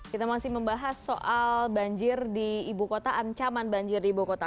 kita masih membahas soal banjir di ibu kota ancaman banjir di ibu kota